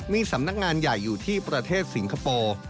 มีสำนักงานใหญ่อยู่ที่ประเทศสิงคโปร์